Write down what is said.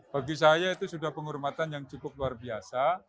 bagi saya itu sudah penghormatan yang cukup luar biasa